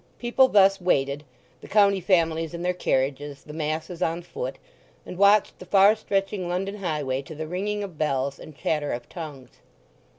People thus waited—the county families in their carriages, the masses on foot—and watched the far stretching London highway to the ringing of bells and chatter of tongues.